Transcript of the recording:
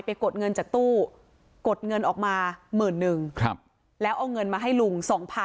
กดเงินจากตู้กดเงินออกมาหมื่นนึงแล้วเอาเงินมาให้ลุง๒๐๐๐